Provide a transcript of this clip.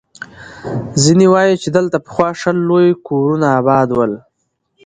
ځيني وایي، چې دلته پخوا شل لوی کورونه اباد ول.